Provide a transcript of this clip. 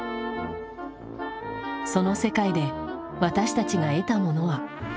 その世界で私たちが得たものは？